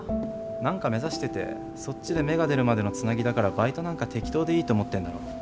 何か目指しててそっちで芽が出るまでのつなぎだからバイトなんか適当でいいと思ってるんだろ。